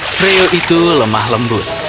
freo itu lemah lembut